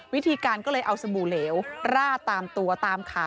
วิธีการก็เลยเอาสบู่เหลวร่าตามตัวตามขา